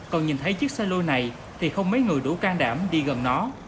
còn nhìn thấy chiếc xe lô này thì không mấy người đủ can đảm đi gần nó